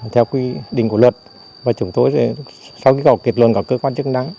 theo quy định của luật và chúng tôi sau khi gọi kết luận của cơ quan chức năng